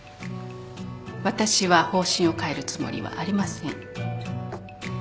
私は方針を変えるつもりはありません。